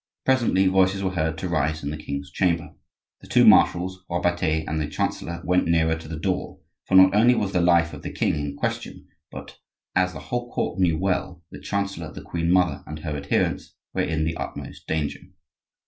Presently voices were heard to rise in the king's chamber. The two marshals, Robertet, and the chancellor went nearer to the door; for not only was the life of the king in question, but, as the whole court knew well, the chancellor, the queen mother, and her adherents were in the utmost danger.